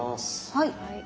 はい。